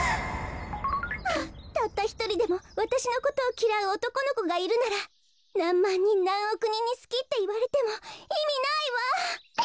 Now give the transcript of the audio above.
ああたったひとりでもわたしのことをきらうおとこのこがいるならなんまんにんなんおくにんに「すき」っていわれてもいみないわ！